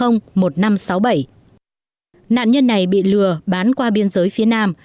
nạn nhân này bị lừa bán qua biên giới phía nam